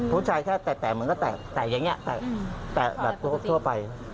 ผู้ชายแค่แตะเหมือนก็แตะอย่างนี้แตะแบบทั่วไป